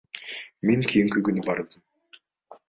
Мен кийинки күнү бардым.